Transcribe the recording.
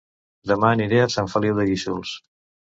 Dema aniré a Sant Feliu de Guíxols